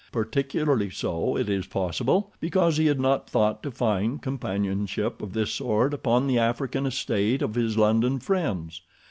Particularly so, it is possible, because he had not thought to find companionship of this sort upon the African estate of his London friends.